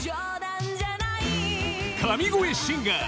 神声シンガー